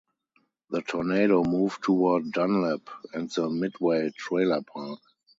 The tornado moved toward Dunlap, and the Midway trailer park.